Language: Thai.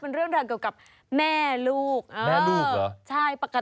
ของที่ฉันก็มีค่ะ